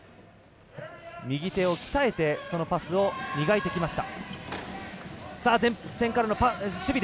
右手を鍛えてパスを磨いてきました。